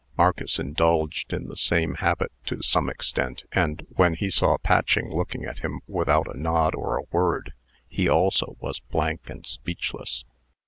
Marcus indulged in the same habit to some extent, and, when he saw Patching looking at him without a nod or a word, he also was blank and speechless.